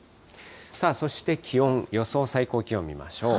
さあ、そして気温、予想最高気温見ましょう。